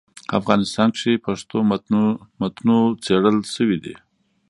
افغانستان کي پښتو متونو څېړل سوي دي.